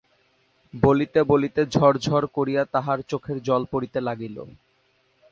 বলিতে বলিতে ঝর ঝর করিয়া তাহার চোখের জল পড়িতে লাগিল।